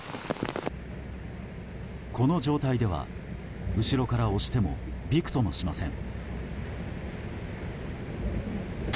この状態では後ろから押してもびくともしません。